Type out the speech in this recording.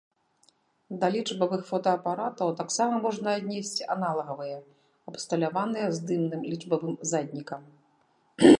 Да лічбавых фотаапаратаў таксама можна аднесці аналагавыя, абсталяваныя здымным лічбавым заднікам.